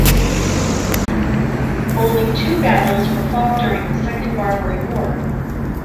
Only two battles were fought during the Second Barbary War.